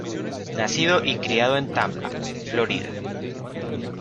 Nacido y criado en Tampa, Florida.